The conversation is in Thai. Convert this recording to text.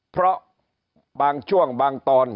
เพราะบางช่วงบางตอน